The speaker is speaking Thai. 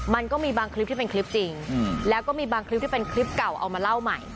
มันก็มีบางคลิปที่เป็นคลิปจริงแล้วก็มีบางคลิปที่เป็นคลิปเก่าเอามาเล่าใหม่